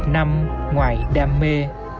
năm ngoại đam mê